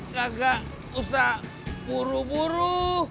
nggak usah buru buru